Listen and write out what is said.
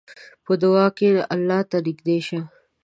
په دعا کښېنه، الله ته نږدې شه.